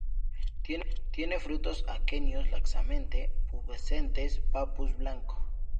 Tiene frutos aquenios laxamente pubescentes, papus blanco.